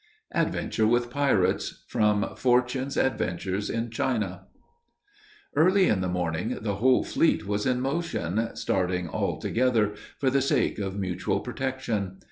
ADVENTURE WITH PIRATES. FROM "FORTUNE'S ADVENTURES IN CHINA." Early in the morning, the whole fleet was in motion, starting all together, for the sake of mutual protection.